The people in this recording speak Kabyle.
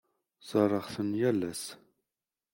Ẓerreɣ-ten yal ass.